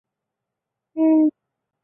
卒年五十四。